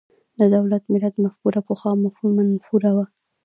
د دولت–ملت مفکوره پخوا منفوره وه.